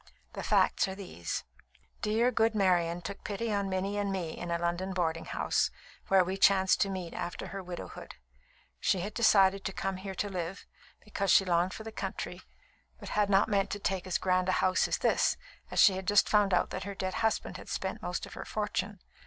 The facts are these: Dear, good Marian took pity on Minnie and me in a London boarding house, where we chanced to meet after her widowhood. She had decided to come here to live, because she longed for the country, but had not meant to take as grand a house as this, as she had just found out that her dead husband had spent most of her fortune.